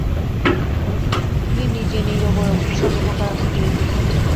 ইনি নিজে নিরবয়ব, সর্বপ্রকার আকৃতিহীন।